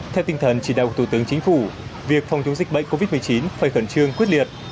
theo tinh thần chỉ đạo của thủ tướng chính phủ việc phòng chống dịch bệnh covid một mươi chín phải khẩn trương quyết liệt